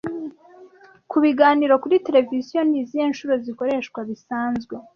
Kubiganiro kuri tereviziyo, ni izihe nshuro zikoreshwa bisanzwe